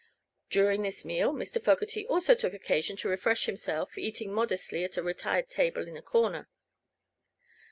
During this meal Mr. Fogerty also took occasion to refresh himself, eating modestly at a retired table in a corner.